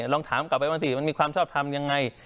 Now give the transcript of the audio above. ลองถามกลับไปบ้างสิมันมีความชอบทำยังไง